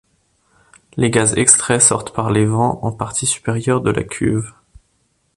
Les gaz extraits sortent par l'évent en partie supérieure de la cuve.